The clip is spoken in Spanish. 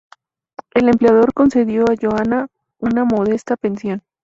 El emperador concedió a Johanna una modesta pensión.